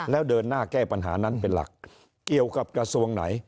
แล้วเดินหน้าแก้ปัญหานั้นเป็นหลักเกี่ยวกับกระทรวงไหน